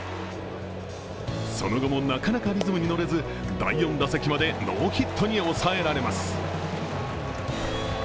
その後もなかなかリズムに乗れず、第４打席までノーヒットに抑えられます。